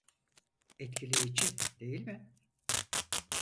Etkileyici, değil mi?